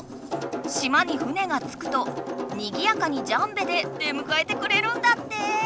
島に船がつくとにぎやかにジャンベで出むかえてくれるんだって。